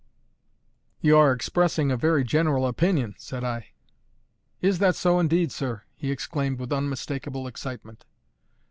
"You are expressing a very general opinion," said I. "Is that so, indeed, sir?" he exclaimed, with unmistakable excitement.